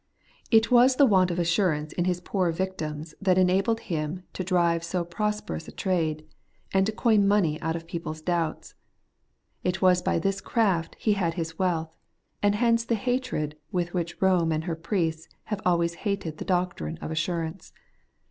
was the want of assurance in his poor victims that enabled him to drive so prosperous a trade, and to coin money out of people's doubts. It was by this craft he had his wealth, and hence the hatred with which Eome and her priests have always hated the doctrine of assurance.